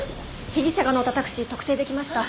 被疑者が乗ったタクシー特定できました。